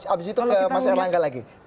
abis itu ke mas arnaga lagi